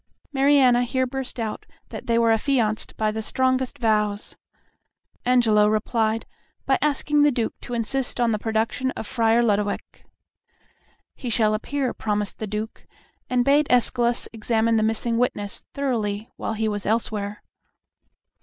Mariana here burst out that they were affianced by the strongest vows. Angelo replied by asking the Duke to insist on the production of Friar Lodowick. "He shall appear," promised the Duke, and bade Escalus examine the missing witness thoroughly while he was elsewhere.